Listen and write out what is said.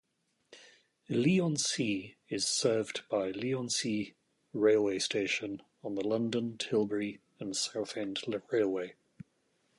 Leigh-on-Sea is served by Leigh-on-Sea railway station on the London, Tilbury and Southend Railway.